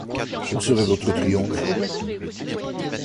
Où serait votre triomphe?